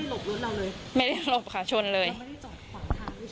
แล้วไม่ได้จอดขวางทางหรือเปล่า